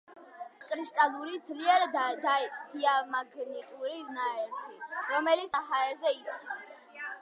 არის კრისტალური ძლიერ დიამაგნიტური ნაერთი, რომელიც ტენიან ჰაერზე იწვის.